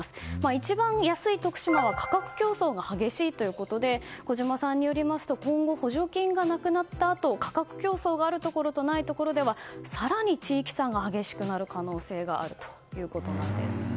一番安い徳島は価格競争が激しいということで小嶌さんによると今後補助金がなくなったあと価格競争があるところとないところでは更に地域差が激しくなる可能性があるということなんです。